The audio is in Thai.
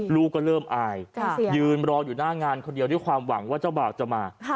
ลูกก็เริ่มอายยืนรออยู่หน้างานคนเดียวด้วยความหวังว่าเจ้าบ่าวจะมา